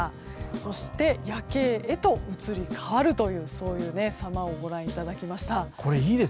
そして、夜景へと移り変わるというさまをご覧いただきました。